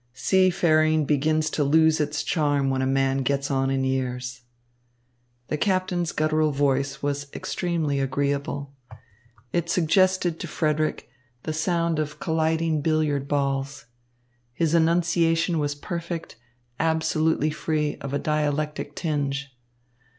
Seafaring begins to lose its charms when a man gets on in years." The captain's guttural voice was extremely agreeable. It suggested to Frederick the sound of colliding billiard balls. His enunciation was perfect, absolutely free of a dialectic tinge.